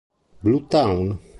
Blue Town